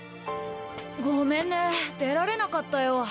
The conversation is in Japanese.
ごめんね出られなかったよ。